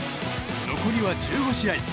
残りは１５試合。